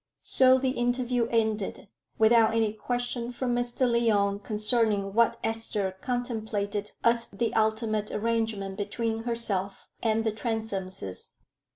So the interview ended, without any question from Mr. Lyon concerning what Esther contemplated as the ultimate arrangement between herself and the Transomes.